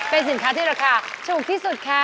เป็นสินค้าที่ราคาถูกที่สุดค่ะ